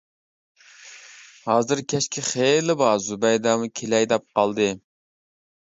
-ھازىر كەچكە خېلى بار، زۇبەيدەمۇ كېلەي دەپ قالدى.